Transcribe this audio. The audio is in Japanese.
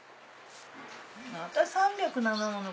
また３０７なの。